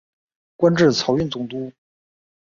官至漕运总督。